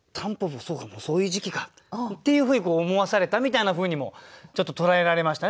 そうかもうそういう時期か」っていうふうに思わされたみたいなふうにもちょっと捉えられましたね。